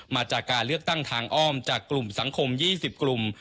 มาจากการเลือกตั้งทางอ้อมจากกลุ่มสังคม๒๐กลุ่ม